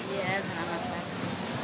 ya selamat pagi